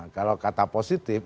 kalau kata positif